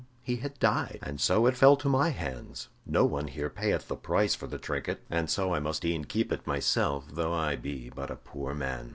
he had died, and so it fell to my hands. No one here payeth the price for the trinket, and so I must e'en keep it myself, though I be but a poor man."